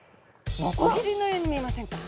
ノコギリのように見えませんか？